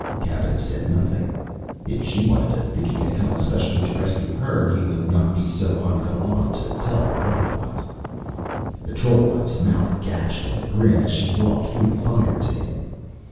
Cappen said nothing. If she wanted to think he had come especially to rescue her, he would not be so ungallant to tell her otherwise. The troll wife's mouth gashed in a grin as she walked through the fire to him.